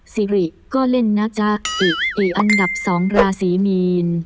สิริก็เล่นนะจ๊ะอิอิอันดับ๒ราศีมีน